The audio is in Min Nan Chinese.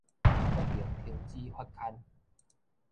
決定停止發刊